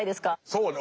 そうね。